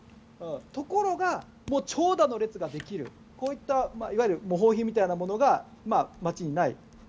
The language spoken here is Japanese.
ところが、長蛇の列ができるこういったいわゆる模倣品みたいなものが街にない。